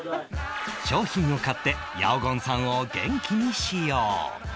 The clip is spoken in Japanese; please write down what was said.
商品を買って八百さんを元気にしよう！